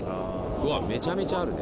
うわっめちゃめちゃあるね